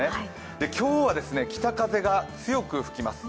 今日は北風が強く吹きます。